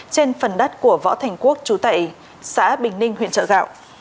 trên phần đất của võ thành quốc trú tại xã bình ninh huyện trợ gạo